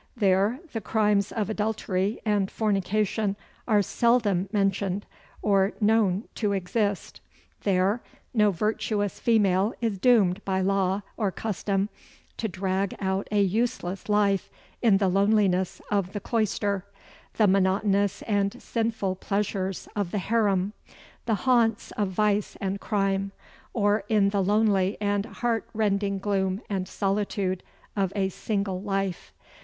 There, the crimes of adultery and fornication are seldom mentioned, or known to exist. There, no virtuous female is doomed by law, or custom, to drag out a useless life in the loneliness of the cloister; the monotonous and sinful pleasures of the Harem; the haunts of vice and crime; or in the lonely and heartrending gloom and solitude of a single life.